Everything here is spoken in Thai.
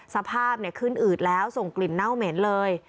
สภาพขึ้นอืดแล้วส่งกลิ่นเน่าเหม็นเลย